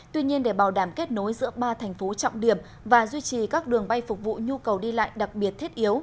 tuy nhiên để bảo đảm kết nối giữa ba thành phố trọng điểm và duy trì các đường bay phục vụ nhu cầu đi lại đặc biệt thiết yếu